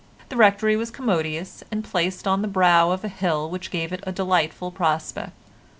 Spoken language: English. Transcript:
The Rectory was commodious, and placed on the brow of a hill which gave it a delightful prospect.